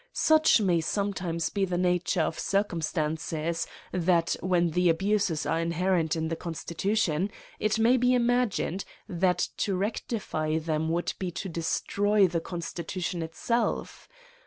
Such may sometimes be the nature of circumstances, that, when abuses are inherent in the constitution, it may be imagined, that to rectify tbem would be to destroy the constitution itself.